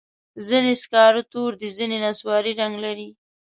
ځینې سکاره تور دي، ځینې نسواري رنګ لري.